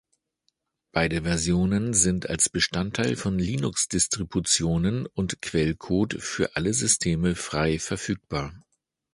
Beide Versionen sind als Bestandteil von Linux-Distributionen und Quellcode für alle Systeme frei verfügbar.